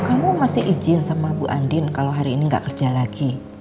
kamu masih izin sama bu andin kalau hari ini nggak kerja lagi